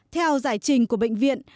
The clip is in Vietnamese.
theo giải trình của bệnh viện